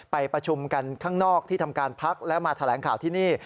ไปประชุมกันข้างนอกที่ทำการพักและมาแถลงข่าวที่นี่